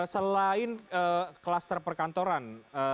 selain kluster perkantoran